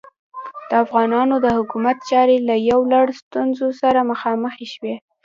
د افغانانو د حکومت چارې له یو لړ ستونزو سره مخامخې شوې.